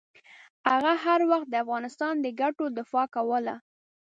هغه هر وخت د افغانستان د ګټو دفاع کوله.